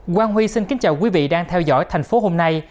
quang huy xin kính chào quý vị đang theo dõi thành phố hôm nay